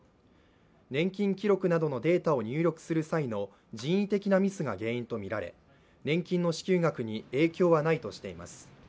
年金記録などのデータを入力する際の人為的なミスが原因とみられ年金の支給額に影響はないとしています。